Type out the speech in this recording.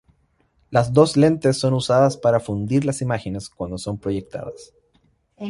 Las dos lentes son usadas para fundir las imágenes cuando son proyectadas.